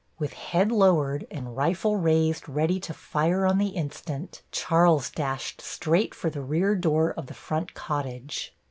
With head lowered and rifle raised ready to fire on the instant, Charles dashed straight for the rear door of the front cottage.